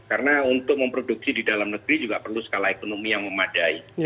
karena untuk memproduksi di dalam negeri juga perlu skala ekonomi yang memadai